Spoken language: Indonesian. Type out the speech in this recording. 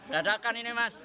dadakan ini mas